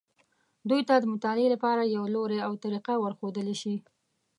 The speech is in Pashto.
دوی ته د مطالعې لپاره یو لوری او طریقه ورښودلی شي.